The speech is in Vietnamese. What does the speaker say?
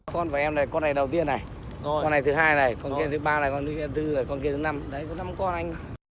con và em này con này đầu tiên này con này thứ hai này con kia thứ ba này con nuôi thứ bốn rồi con kia thứ năm đấy có năm con anh